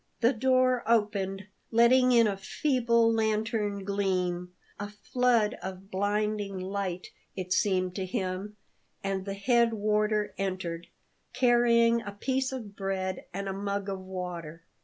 The door opened, letting in a feeble lantern gleam a flood of blinding light, it seemed to him and the head warder entered, carrying a piece of bread and a mug of water.